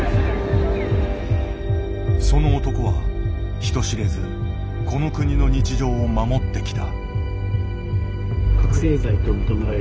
その男は人知れずこの国の日常を守ってきた。